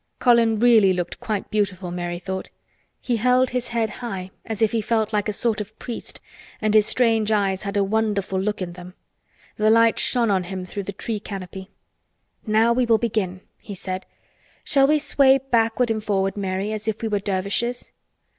Colin really looked quite beautiful, Mary thought. He held his head high as if he felt like a sort of priest and his strange eyes had a wonderful look in them. The light shone on him through the tree canopy. "Now we will begin," he said. "Shall we sway backward and forward, Mary, as if we were dervishes?"